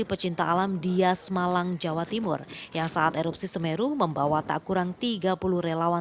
pecinta alam dias malang jawa timur yang saat erupsi semeru membawa tak kurang tiga puluh relawan